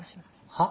はっ？